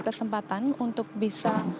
kesempatan untuk bisa